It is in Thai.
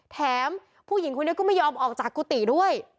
แถมผู้หญิงคนนี้ก็ไม่ยอมออกจากกุฏิด้วย